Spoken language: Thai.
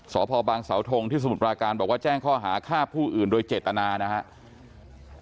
สพบางสาวทงที่สมุทรปราการบอกว่าแจ้งข้อหาฆ่าผู้อื่นโดยเจตนานะครับ